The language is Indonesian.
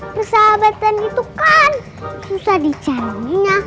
persahabatan itu kan susah dicanangin ya